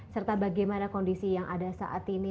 serta bagaimana kondisi yang ada saat ini